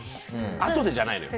あとでじゃないのよ。